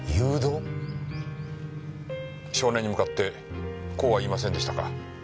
少年に向かってこうは言いませんでしたか？